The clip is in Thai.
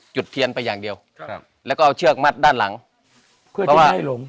จุดเทียนไปอย่างเดียวครับแล้วก็เอาเชือกมัดด้านหลังเพื่อที่จะให้ล้ม